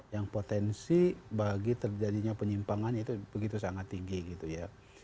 yang potensi bagi terjadinya penyimpangan itu begitu sangat tinggi gitu ya